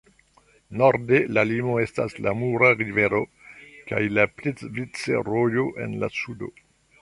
Norde, la limo estas la Mura Rivero kaj la Plitvice-Rojo en la sudo.